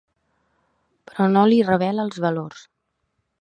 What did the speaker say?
Però no li revela els valors.